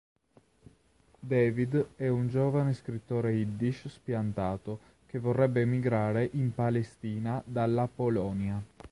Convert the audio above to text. David è un giovane scrittore yiddish spiantato che vorrebbe emigrare in Palestina dalla Polonia.